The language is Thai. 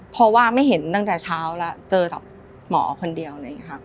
เพราะว่าไม่เห็นตั้งแต่เช้าแล้วเจอหมอคนเดียว